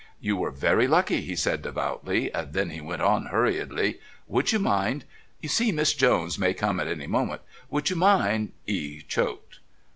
"You were very lucky," he said devoutly, then he went on hurriedly: "Would you mind you see, Miss Jones may come at any moment would you mind " he choked.